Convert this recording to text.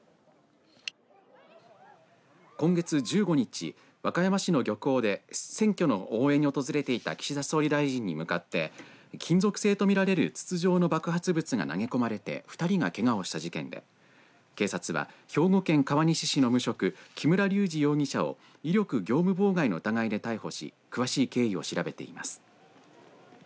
今月１５日和歌山市の漁港で選挙の応援に訪れていた岸田総理大臣に向かって金属製と見られる筒状の爆発物が投げ込まれて２人がけがをした事件で警察は兵庫県川西市の無職木村隆二容疑者を威力業務妨害の疑いで逮捕し詳しい経緯を調べています。